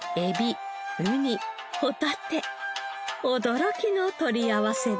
驚きの取り合わせです。